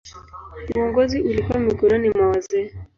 Uongozi ulikuwa mikononi mwa wazee.